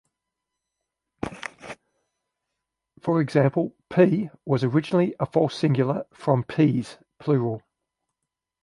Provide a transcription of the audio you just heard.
For example, "pea" was originally a false singular from "pease" pl.